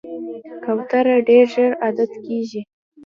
کوتره ډېر ژر عادت کېږي.